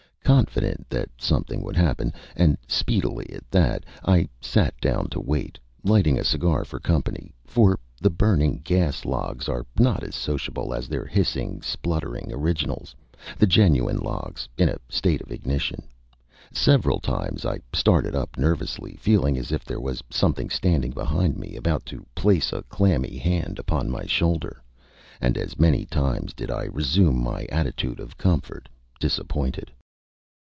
Confident that something would happen, and speedily at that, I sat down to wait, lighting a cigar for company; for burning gas logs are not as sociable as their hissing, spluttering originals, the genuine logs, in a state of ignition. Several times I started up nervously, feeling as if there was something standing behind me about to place a clammy hand upon my shoulder, and as many times did I resume my attitude of comfort, disappointed.